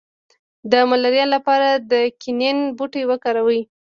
د ملاریا لپاره د کینین بوټی وکاروئ